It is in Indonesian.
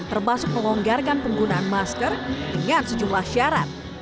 termasuk melonggarkan penggunaan masker dengan sejumlah syarat